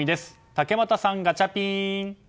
竹俣さん、ガチャピン。